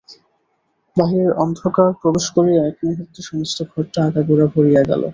বাহিরের অন্ধকার প্রবেশ করিয়া একমুহূর্তে সমস্ত ঘরটা আগাগোড়া ভরিয়া গেল।